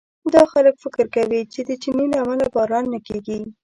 دا خلک فکر کوي چې د چیني له امله باران نه کېږي.